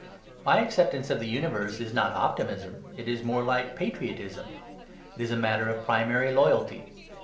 My acceptance of the universe is not optimism, it is more like patriotism. It is a matter of primary loyalty.